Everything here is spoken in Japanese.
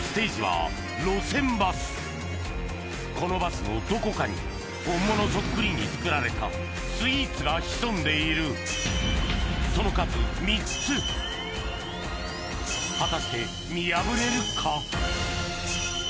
このバスのどこかに本物そっくりに作られたスイーツが潜んでいるその数３つ果たして見破れるか？